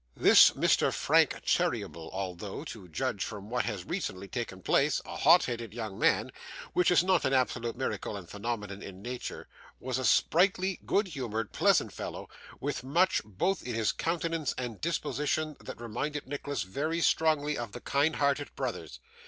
This Mr. Frank Cheeryble, although, to judge from what had recently taken place, a hot headed young man (which is not an absolute miracle and phenomenon in nature), was a sprightly, good humoured, pleasant fellow, with much both in his countenance and disposition that reminded Nicholas very strongly of the kind hearted brothers.